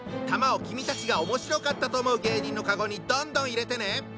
玉を君たちがおもしろかったと思う芸人のカゴにどんどん入れてね！